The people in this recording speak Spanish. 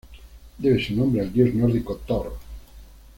Debe su nombre al dios nórdico Thor.